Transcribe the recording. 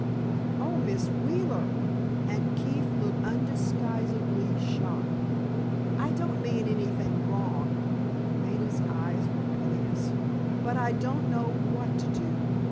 "Oh, Miss Wheeler," and Keefe looked undisguisedly shocked. "I don't mean anything wrong," Maida's eyes were piteous, "but I don't know what to do!